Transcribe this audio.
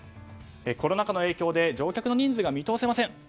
コロナ禍の影響で乗客の人数が見通せません。